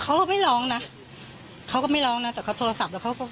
เขาเราไม่ร้องนะเขาก็ไม่ร้องนะแต่เขาโทรศัพท์แล้วเขาก็